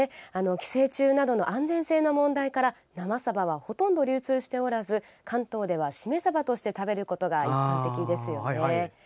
寄生虫などの安全性の問題から生サバはほとんど流通しておらず関東では締めサバとして食べることが一般的ですよね。